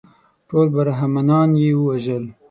ټول برهمنان یې ووژل.